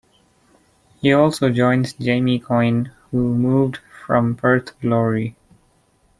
He also joins Jamie Coyne who moved from Perth Glory.